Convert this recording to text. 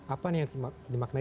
apa yang dimaknai